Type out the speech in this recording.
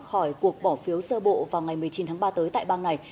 khỏi cuộc bỏ phiếu sơ bộ vào ngày một mươi chín tháng ba tới tại bang này